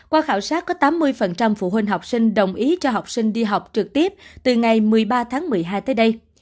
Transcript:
qua khảo sát có tám mươi phụ huynh học sinh đồng ý cho học sinh đi học trực tiếp từ ngày một mươi ba tháng một mươi hai tới đây